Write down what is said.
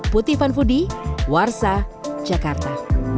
putih fun foodie warsa jakarta